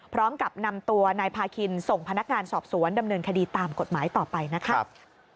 พร้อมกับนำตัวนายพาคินส่งพนักงานสอบสวนดำเนินคดีตามกฎหมายต่อไปนะครับ